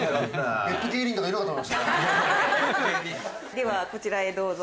ではこちらへどうぞ。